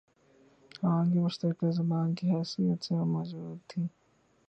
عوام کی مشترکہ زبان کی حیثیت سے موجود تھی